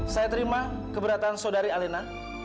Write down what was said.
saya terima keberatan saudari alena